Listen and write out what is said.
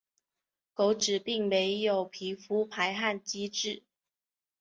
狗只并没有皮肤排汗机制。